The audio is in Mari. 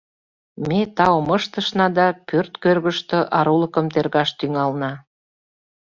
Ме таум ыштышна да пӧрт кӧргыштӧ арулыкым тергаш тӱҥална.